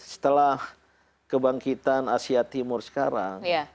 setelah kebangkitan asia timur sekarang